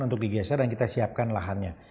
untuk digeser dan kita siapkan lahannya